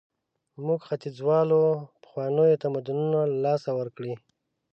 موږ ختیځوالو پخواني تمدنونه له لاسه ورکړي.